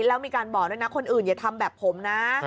แล้วมีการบอกด้วยนะคนอื่นอย่าทำแบบผมนะ